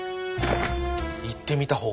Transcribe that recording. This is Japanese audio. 行ってみた方が。